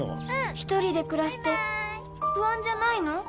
一人で暮らして不安じゃないの？